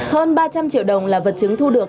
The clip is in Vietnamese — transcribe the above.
hơn ba trăm linh triệu đồng là vật chứng thu được